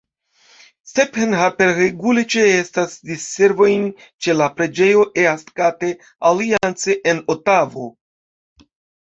Stephen Harper regule ĉeestas diservojn ĉe la preĝejo East Gate Alliance en Otavo.